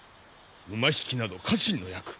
馬引きなど家臣の役。